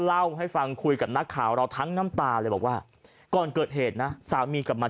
เล่าให้ฟังคุยกับนักข่าวเราทั้งน้ำตาเลยบอกว่าก่อนเกิดเหตุนะสามีกลับมา